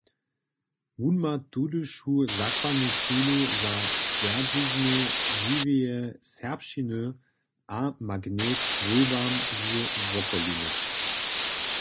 Wón ma tudyšu zakładnu šulu za twjerdźiznu žiweje serbšćiny a magnet swójbam z wokoliny.